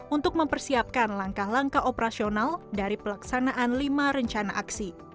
untuk mempersiapkan langkah langkah operasional dari pelaksanaan lima rencana aksi